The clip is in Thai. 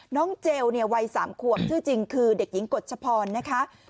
น้องเจลเนี่ยวัย๓ควบชื่อจริงคือเด็กหญิงกฎชพรนะคะ